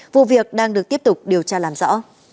vụ việc đang được tiếp tục điều tra làm rõ